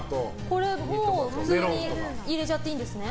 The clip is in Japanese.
これもう普通に入れちゃっていいんですね。